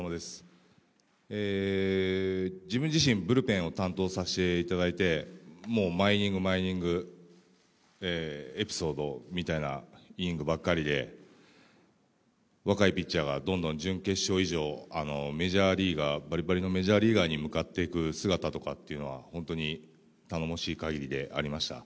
自分自身、ブルペンを担当させていただいて、毎イニング、毎イニング、エピソードみたいなイニングばかりで、若いピッチャーがどんどん準決勝以上、ばりばりのメジャーリーガーに向かっていく姿とかというのは本当に頼もしい限りでありました。